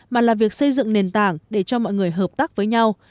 mà là việc xây dựng nền tảng để cho mọi người hợp tác với nhau